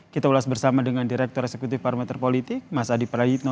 kita ulas bersama dengan direktur eksekutif parameter politik mas adi prayitno